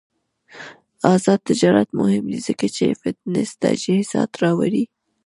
آزاد تجارت مهم دی ځکه چې فټنس تجهیزات راوړي.